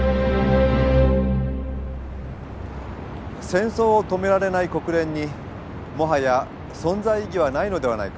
戦争を止められない国連にもはや存在意義はないのではないか。